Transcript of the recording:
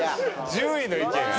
１０位の意見。